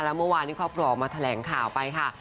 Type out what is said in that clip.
แล้วเมื่อวานที่ครอบครัวออกมาแถลงข่าวไปค่ะ